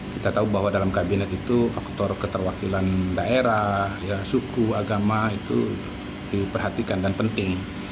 kita tahu bahwa dalam kabinet itu faktor keterwakilan daerah suku agama itu diperhatikan dan penting